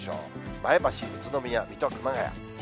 前橋、宇都宮、水戸、熊谷。